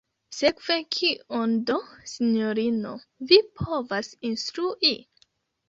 Sekve kion do, sinjorino, vi povas instrui?